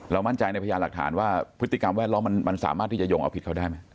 มั่นใจในพยานหลักฐานว่าพฤติกรรมแวดล้อมมันสามารถที่จะโยงเอาผิดเขาได้ไหม